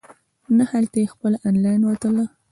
نه هلته یې خپله انلاین وتله.